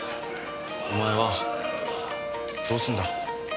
お前はどうすんだ？